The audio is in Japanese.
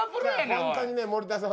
ホントにね森田さん